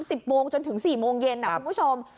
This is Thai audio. สิบโมงจนถึงสี่โมงเย็นอ่ะคุณผู้ชม